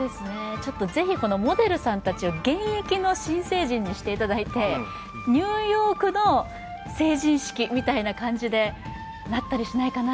ぜひ、モデルさんたちを現役の新成人たちにしていただいて、ニューヨークの成人式みたいな感じでなったりしないかな。